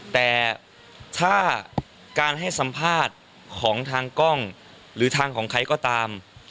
แต่ถ้าการให้สัมภาษณ์ของทางกล้องหรือทางของใครก็ตาม